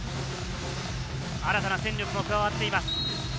新たな戦力も加わっています。